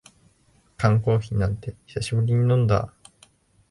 缶コーヒーなんて久しぶりに飲んだ